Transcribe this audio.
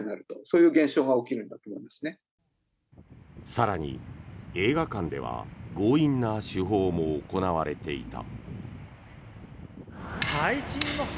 更に、映画館では強引な手法も行われていた。